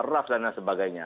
raf dan lain sebagainya